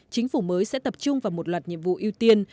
chính phủ mới sẽ tập trung vào một loạt nhiệm vụ ưu tiên